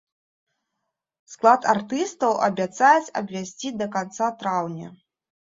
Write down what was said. Склад артыстаў абяцаюць абвясціць да канца траўня.